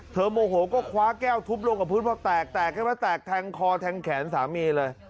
แทงคอแทงแขนสามีเลย